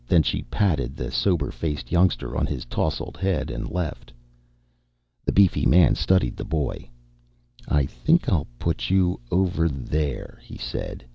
Then she patted the sober faced youngster on his tousled head and left. The beefy man studied the boy. "I think I'll put you over there," he said.